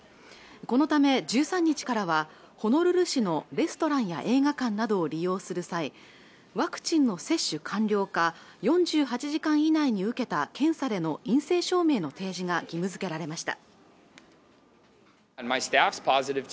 このため１３日からはホノルル市のレストランや映画館などを利用する際ワクチンの接種完了か４８時間以内に受けた検査での陰性証明の提示が義務づけられました